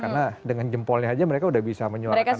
karena dengan jempolnya aja mereka sudah bisa menyuarakan pendapatnya